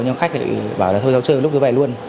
nhưng khách thì bảo là thôi cháu chơi lúc như vậy luôn